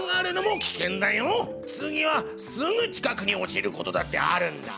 次はすぐ近くに落ちる事だってあるんだ。